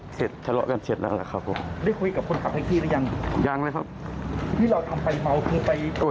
เข้าข้ามแล้วเราก็ยังอารมณ์ชั่ววูบอยู่แล้ว